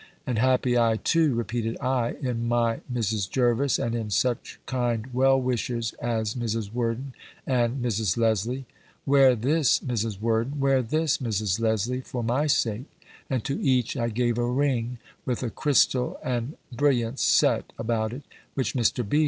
"And happy I too," repeated I, "in my Mrs. Jervis, and in such kind well wishers as Mrs. Worden and Mrs. Lesley. Wear this, Mrs. Worden; wear this, Mrs. Lesley, for my sake:" and to each I gave a ring, with a crystal and brilliants set about it, which Mr. B.